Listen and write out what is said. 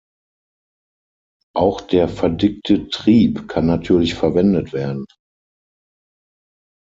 Auch der verdickte Trieb kann natürlich verwendet werden.